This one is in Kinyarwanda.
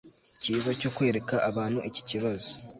cyiza cyo kwereka abantu iki kibazo